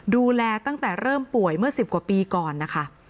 ดูแลตั้งแต่เริ่มป่วยเมื่อ๑๐กว่าปีก่อนนะคะ